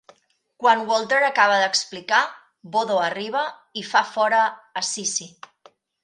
Quan Walter acaba d'explicar, Bodo arriba i fa fora a Sissi.